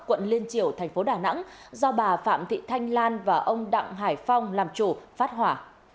quận liên triều thành phố đà nẵng do bà phạm thị thanh lan và ông đặng hải phong làm chủ phát hỏa